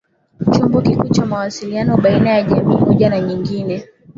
Chombo kikuu cha mawasiliano baina ya jamii moja na nyingine